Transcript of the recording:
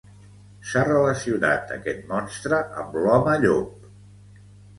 S'ha relacionat aquest monstre amb l'home llop.